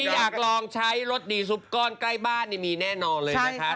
อยากลองลดหนีซุปก้อนใกล้บ้านมี่แน่นอนเลยนะคะ